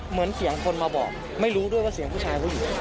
เหมือนเสียงคนมาบอกไม่รู้ด้วยว่าเสียงผู้ชายผู้หญิง